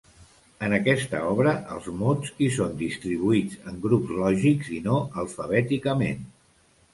En aquesta obra els mots hi són distribuïts en grups lògics i no alfabèticament.